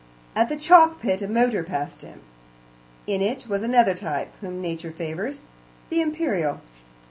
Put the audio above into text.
At the chalk pit a motor passed him. In it was another type, whom Nature favours the Imperial.